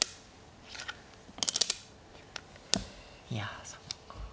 いやそっか。